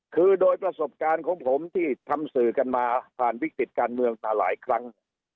คือโดยประสบการณ์ของผมที่ทำสื่อกันมาผ่านวิกฤตการเมืองมาหลายครั้ง